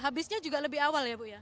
habisnya juga lebih awal ya bu ya